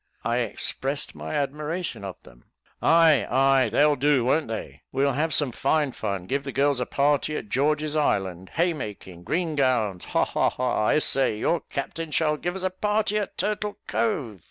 I expressed my admiration of them. "Ay, ay, they'll do, won't they? we'll have some fine fun give the girls a party at George's Island haymaking green gowns ha, ha, ha. I say, your captain shall give us a party at Turtle Cove.